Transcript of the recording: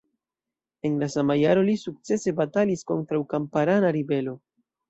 En la sama jaro li sukcese batalis kontraŭ kamparana ribelo.